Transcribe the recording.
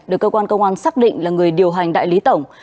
được cơ quan công an xác định là người điều hành đại lý tổng